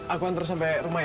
aku ntar sampai rumah ya